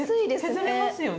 削れますよね。